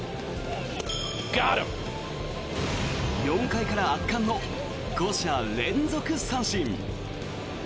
４回から圧巻の５者連続三振。